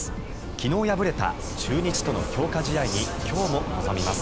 昨日敗れた中日との強化試合に今日も臨みます。